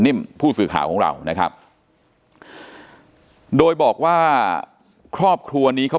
ผู้สื่อข่าวของเรานะครับโดยบอกว่าครอบครัวนี้เขา